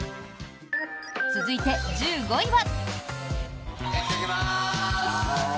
続いて、１５位は。